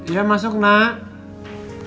iya masuk nak